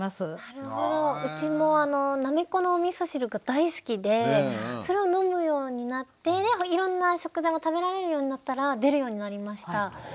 うちもなめこのおみそ汁が大好きでそれを飲むようになっていろんな食材も食べられるようになったら出るようになりました。